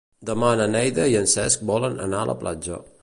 Demà na Neida i en Cesc volen anar a la platja.